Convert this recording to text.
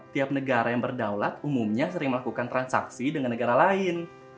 tiap negara yang berdaulat umumnya sering melakukan transaksi dengan negara lain